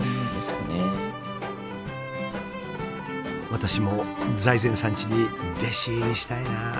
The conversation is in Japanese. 私も財前さんちに弟子入りしたいなあ。